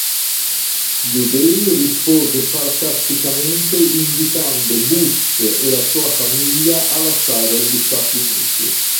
ʿUday rispose sarcasticamente invitando Bush e la sua famiglia a lasciare gli Stati Uniti.